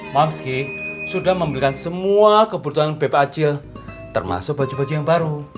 mumski sudah membelikan semua kebutuhan bepa acil termasuk baju baju yang baru